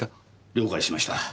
了解しました。